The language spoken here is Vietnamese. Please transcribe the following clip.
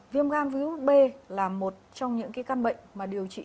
viêm gan viếu út b là một trong những căn bệnh